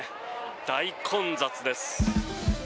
大混雑です。